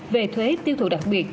về thuế tiêu thụ đặc biệt